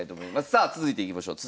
さあ続いていきましょう。